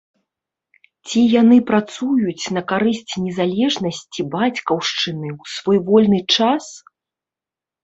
Ці яны працуюць на карысць незалежнасці бацькаўшчыны ў свой вольны час?